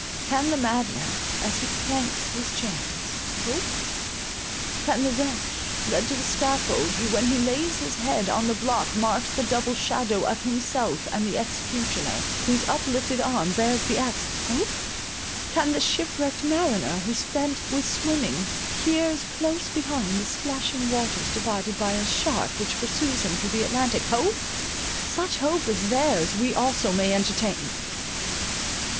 Can the madman, as he clanks his chains, hope? Can the wretch, led to the scaffold, who when he lays his head on the block, marks the double shadow of himself and the executioner, whose uplifted arm bears the axe, hope? Can the ship wrecked mariner, who spent with swimming, hears close behind the splashing waters divided by a shark which pursues him through the Atlantic, hope? Such hope as theirs, we also may entertain!